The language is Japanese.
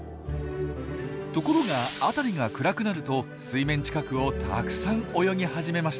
ところが辺りが暗くなると水面近くをたくさん泳ぎ始めました。